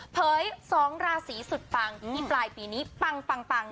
เผยสองราศีสุดปังอืมที่ปลายปีนี้ปังปังปัง